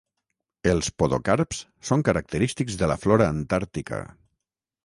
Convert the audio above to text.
Els podocarps són característics de la flora antàrtica.